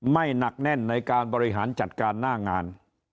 หนักแน่นในการบริหารจัดการหน้างาน